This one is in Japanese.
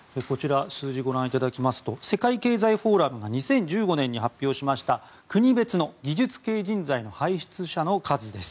数字をご覧いただきますと世界経済フォーラムが２０１５年に発表しました国別の技術系人材の輩出者の数です。